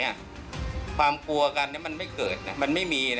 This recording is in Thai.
ความกลัวกันมันไม่เกิดมันไม่มีนะ